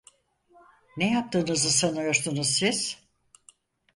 Ne yaptığınızı sanıyorsunuz siz?